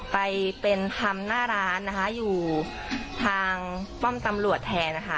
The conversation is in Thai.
ไปเป็นทำหน้าร้านนะคะอยู่ทางป้อมตำรวจแทนนะคะ